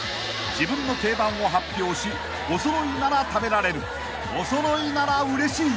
［自分の定番を発表しおそろいなら食べられるおそろいならうれしい］